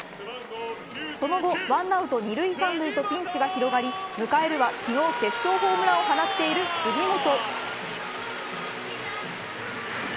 その後１アウト二塁三塁とピンチが広がり迎えるは、昨日決勝ホームランを放っている杉本。